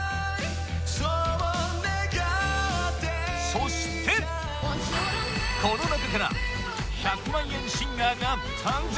そう願っていたそしてこの中から１００万円シンガーが誕生！